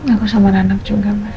aku sama anak anak juga mas